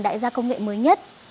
đại gia công nghệ mới nhất